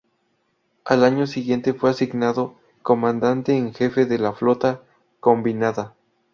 Al año siguiente fue asignado Comandante en Jefe de la Flota Combinada.